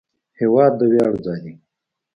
هېواد د ویاړ ځای دی.